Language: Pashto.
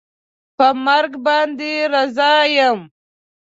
په مرګ باندې رضا یم